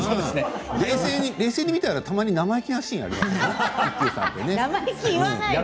冷静に見たらたまに生意気なシーンがありますよ。